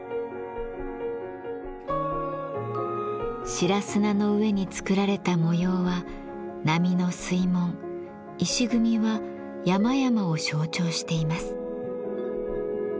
白砂の上につくられた模様は波の水紋石組みは山々を象徴しています。